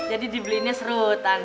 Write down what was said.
jadi dibeliinnya serutan